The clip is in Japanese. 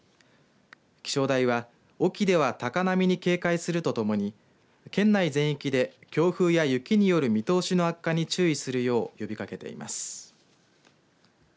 気象台は隠岐では高波に警戒するとともに県内全域で強風や雪による見通しの悪化に注意するよう呼びかけています。